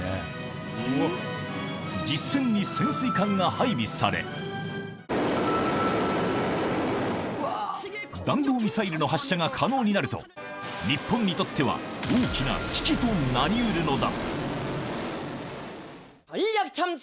実戦に潜水艦が配備され、弾道ミサイルの発射が可能になると、日本にとっては大きな危機となりうるのだ。